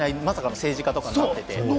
まさかの政治家とかになってて。